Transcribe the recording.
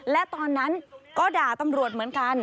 และตอนนั้นก็ด่าตำรวจเหมือนกัน